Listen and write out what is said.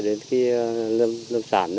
đến khi lâm sản